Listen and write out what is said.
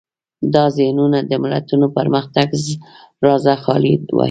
دا ذهنونه د ملتونو پرمختګ رازه خالي وي.